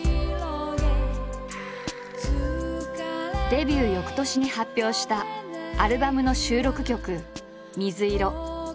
デビュー翌年に発表したアルバムの収録曲「水色」。